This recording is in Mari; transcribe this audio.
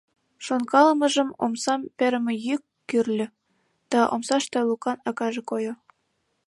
Шонкалымыжым омсам перыме йӱк кӱрльӧ, да омсаште Лукан акаже койо.